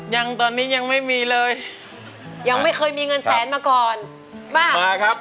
ยังตอนนี้ยังไม่มีเลยยังไม่เคยมีเงินแสนมาก่อนบ้ามาครับ